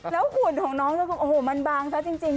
แล้วขุดของน้องมันบางซะจริง